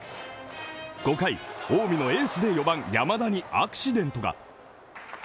５回、近江のエースで４番・山田にアクシデントが。